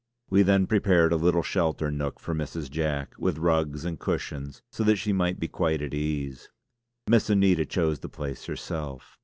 We then prepared a little sheltered nook for Mrs. Jack, with rugs and cushions so that she might be quite at ease. Miss Anita chose the place herself.